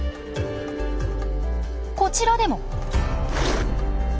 こちらでも！